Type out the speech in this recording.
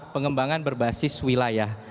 pengembangan berbasis wilayah